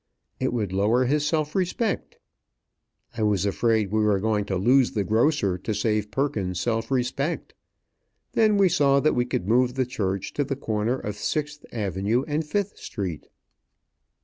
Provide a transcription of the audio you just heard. It would lower his self respect. I was afraid we were going to lose the grocer to save Perkins's self respect. Then we saw we could move the church to the corner of Sixth Avenue and Fifth Street.